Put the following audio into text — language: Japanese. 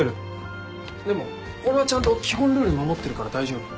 でも俺はちゃんと基本ルール守ってるから大丈夫。